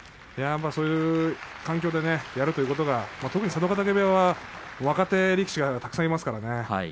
そういう環境でやるというのが特に佐渡ヶ嶽部屋は若手力士がたくさんいますからね。